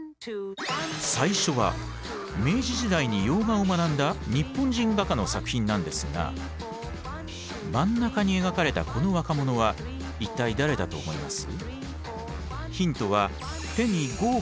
最初は明治時代に洋画を学んだ日本人画家の作品なんですが真ん中に描かれたこの若者は一体誰だと思います？